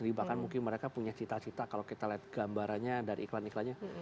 bahkan mungkin mereka punya cita cita kalau kita lihat gambarannya dari iklan iklannya